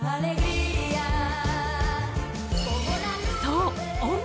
［そう］